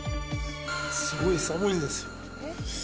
・すごい寒いんです。